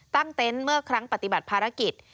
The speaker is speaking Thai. เต็นต์เมื่อครั้งปฏิบัติภารกิจ